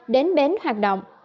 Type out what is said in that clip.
đến bến hoạt động